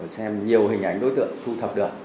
xem nhiều hình ảnh đối tượng thu thập được